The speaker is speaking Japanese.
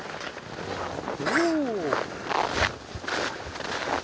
お。